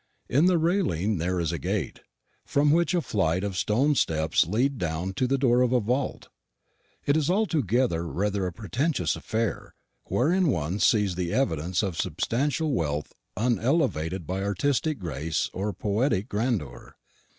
In the railing there is a gate, from which a flight of stone step leads down to the door of a vault. It is altogether rather a pretentious affair, wherein one sees the evidence of substantial wealth unelevated by artistic grace or poetic grandeur.